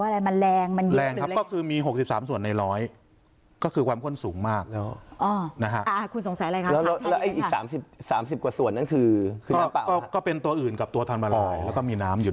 แล้วอีก๓๐กว่าส่วนนั้นคือเป็นตัวอื่นกับตัวทำละลายแล้วก็มีน้ำอยู่ด้วย